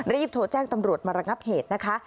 รีบโทรแจ้งตำรวจมาระงับเหตุนะคะ